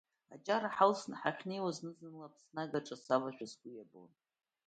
Аҷара ҳалсны ҳахьнеиуаз зны-зынла Аԥсны агаҿа савазшәа сгәы иабон.